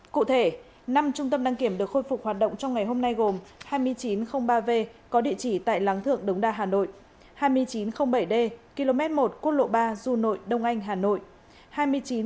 cụ thể năm trung tâm đăng kiểm được khôi phục hoạt động trong ngày hôm nay gồm hai nghìn chín trăm linh ba v có địa chỉ tại láng thượng đống đa hà nội hai nghìn chín trăm linh bảy d km một quốc lộ ba du nội đông anh hà nội